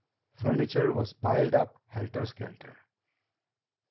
Furniture was piled up helter skelter.